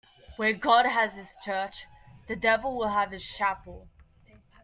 Where God has his church, the devil will have his chapel.